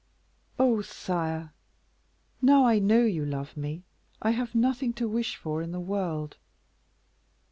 "Oh! sire, now I know you love me, I have nothing to wish for in the world.